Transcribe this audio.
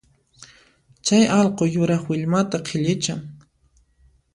Chay allqu yuraq willmata qhillichan